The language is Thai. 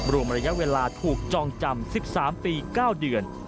รวมระยะเวลาถูกจองจำ๑๓ปี๙เดือน